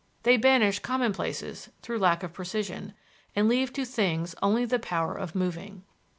"They banish commonplaces through lack of precision, and leave to things only the power of moving."